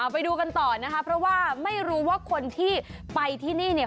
ไปดูกันต่อนะคะเพราะว่าไม่รู้ว่าคนที่ไปที่นี่เนี่ย